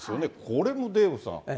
これもデーブさん。